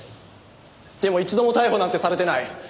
でも一度も逮捕なんてされてない。